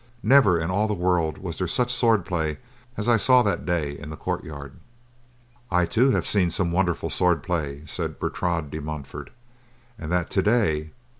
"Never in all the world was there such swordplay as I saw that day in the courtyard." "I, too, have seen some wonderful swordplay," said Bertrade de Montfort, "and that today.